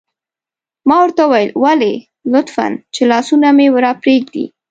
ما ورته وویل: ولې؟ لطفاً، چې لاسونه مې را پرېږدي.